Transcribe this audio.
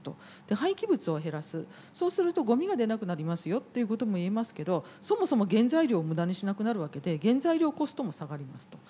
廃棄物を減らすそうするとゴミが出なくなりますよっていうこともいえますけどそもそも原材料を無駄にしなくなるわけで原材料コストも下がりますと。